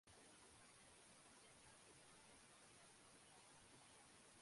এর নীতি হলো "সৃষ্টির প্রতি সম্মান ও সমবেদনা"।